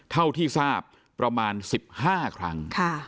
เท่าที่ทราบประมาณสิบห้าครั้งค่ะ